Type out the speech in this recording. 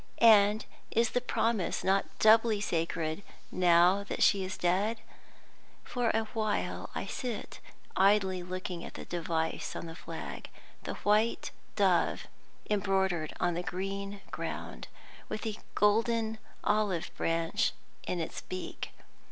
and is the promise not doubly sacred now that she is dead? For a while I sit idly looking at the device on the flag the white dove embroidered on the green ground, with the golden olive branch in its beak.